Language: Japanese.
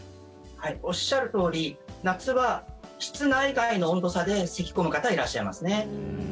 おっしゃるとおり夏は室内外の温度差でせき込む方いらっしゃいますね。